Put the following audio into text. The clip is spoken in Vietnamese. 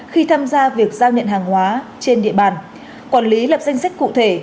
khi tham gia việc giao nhận hàng hóa trên địa bàn quản lý lập danh sách cụ thể